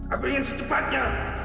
aku ingin secepatnya